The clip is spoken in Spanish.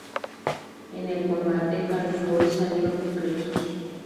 En el combate, Hardy Boyz salieron victoriosos.